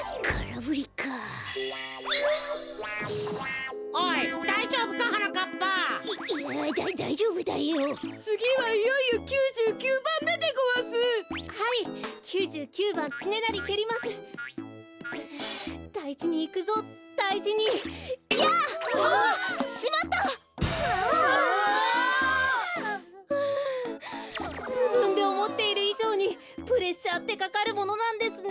ふじぶんでおもっているいじょうにプレッシャーってかかるものなんですね。